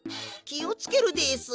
きをつけるです。